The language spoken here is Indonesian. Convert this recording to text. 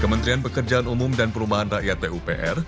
kementerian pekerjaan umum dan perumahan rakyat pupr